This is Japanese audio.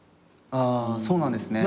あそうなんですね。